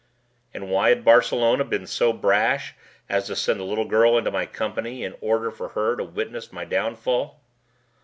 And why had Barcelona been so brash as to send the little girl into my company in order for her to witness my downfall?